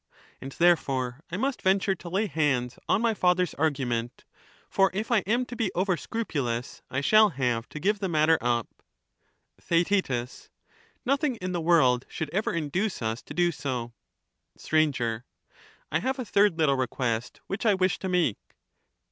And therefore I must venture to lay hands on my not being father's argument ; for if I am to be over scrupulous, I shall y^j^^ j, have to give the matter up. not. Theaet Nothing in the world should ever induce us to do so. Str. I have a third little request which I wish to make.